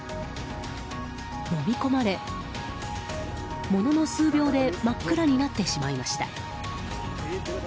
のみ込まれ、ものの数秒で真っ暗になってしまいました。